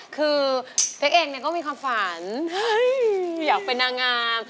คือเป๊กเองก็มีความฝันคืออยากเป็นนางงาม